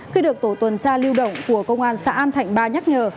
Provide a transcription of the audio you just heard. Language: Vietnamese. khi được tổ tuần tra lưu động của công an xã an thạnh ba nhắc nhở